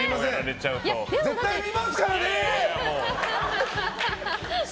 絶対見ますからね！